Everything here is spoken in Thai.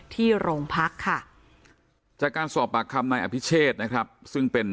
ที่โรงพักค่ะจากการสอบปากคำนายอภิเชษนะครับซึ่งเป็น